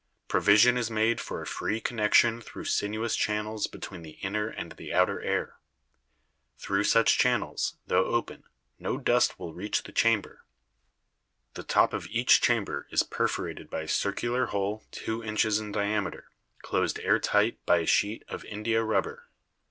Provision is made for a free connection through sinuous channels between the inner and the outer air. Through such channels, tho open, no dust will reach the chamber. The top of each chamber is perforated by a circular hole 52 BIOLOGY two inches in diameter, closed air tight by a sheet of india rubber.